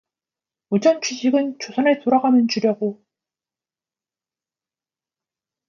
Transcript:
무전취식은... 조선에 돌아가면 주려고